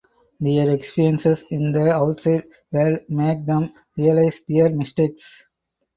Their experiences in the outside world make them realize their mistakes.